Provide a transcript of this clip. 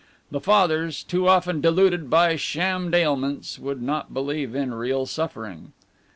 The Fathers, too often deluded by shammed ailments, would not believe in real suffering.